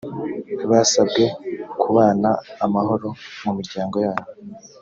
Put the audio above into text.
basabwe kubana amahoro mu miryango yabo